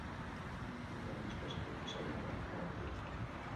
Gurean, espezierik ezagunenak hauek dira.